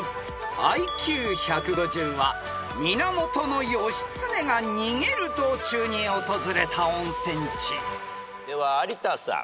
［ＩＱ１５０は源義経が逃げる道中に訪れた温泉地］では有田さん。